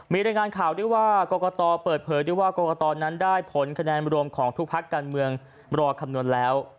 มีรายงานข่าวด้วยว่ากรกตเปิดเผยด้วยว่ากรกตนั้นได้ผลคะแนนรวมของทุกพักการเมืองรอคำนวณแล้ว